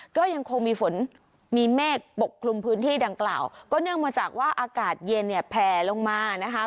ก็ยังคงมีฝนมีเมฆปกคลุมพื้นที่ดังกล่าวก็เนื่องมาจากว่าอากาศเย็นเนี่ยแผ่ลงมานะคะ